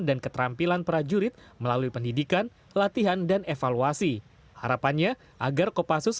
dan keterampilan prajurit melalui pendidikan latihan dan evaluasi harapannya agar kopassus